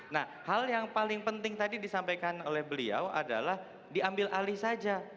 nah hal yang paling penting tadi disampaikan oleh beliau adalah diambil alih saja